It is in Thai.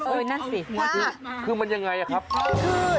เออนั่นสิคือมันยังไงครับอ๋อคือ